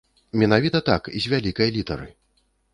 Менавіта так, з вялікай літары.